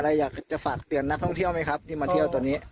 อยากจะฝากเตือนนักท่องเที่ยวไหมครับที่มาเที่ยวตอนนี้